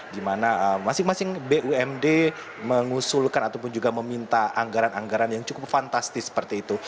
di mana masing masing bumd mengusulkan ataupun juga meminta anggaran anggaran yang cukup fantastis seperti itu